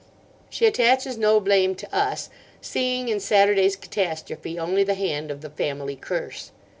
She attaches no blame to us, seeing in Saturday's catastrophe only the hand of the Family Curse.